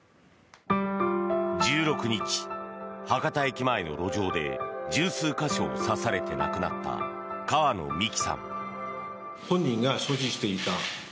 １６日、博多駅前の路上で１０数か所を刺されて亡くなった川野美樹さん。